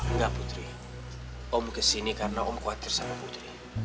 enggak putri om kesini karena om khawatir sama putri